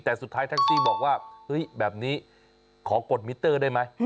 แต่สุดท้ายแท็กซี่บอกว่าเฮ้ยแบบนี้ขอกดมิเตอร์ได้ไหม